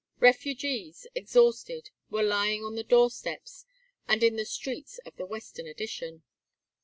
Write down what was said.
Refugees, exhausted, were lying on the doorsteps and in the streets of the Western Addition.